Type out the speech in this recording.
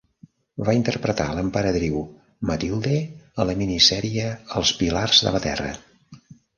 Va interpretar l'emperadriu Matilde a la minisèrie "Els pilars de la Terra".